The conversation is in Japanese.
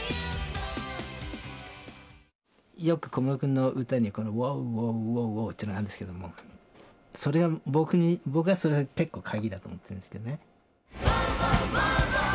よく小室君の歌にこの「ウォウウォウウォウウォウ」っていうのがあるんですけども僕はそれは結構鍵だと思ってるんですけどね。